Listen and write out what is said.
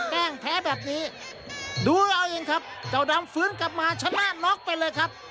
แกล้งแพ้แบบนี้ดูเอาเองครับเจ้าดำฟื้นกลับมาชนะน็อกไปเลยครับ